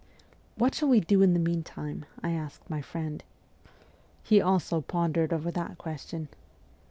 ' What shall we do in the meantime ?' I asked my friend. He also pondered over that question.